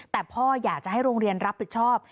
แต่พ่ออยากจะให้โรงเรียนรับผิดชอบ